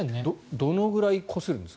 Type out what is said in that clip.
どのくらいこするんですか？